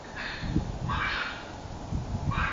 سياسي فکر بايد د تعصب څخه پاک وي.